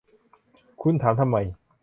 คุณถามทำไม